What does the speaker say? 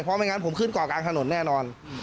เพราะไม่งั้นผมขึ้นเกาะกลางถนนแน่นอน